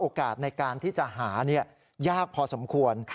ในการที่จะหายากพอสมควร